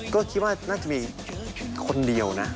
ก็คิดว่าน่าจะมีคนเดียวนะ